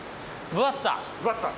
分厚さ。